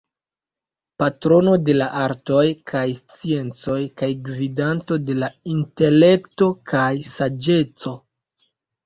Patrono de la artoj kaj sciencoj kaj gvidanto de la intelekto kaj saĝeco.